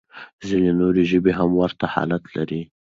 ځينې نورې ژبې هم ورته حالت لري.